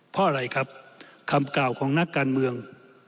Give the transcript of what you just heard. เพราะอะไรครับคำกล่าวของนักการเมือง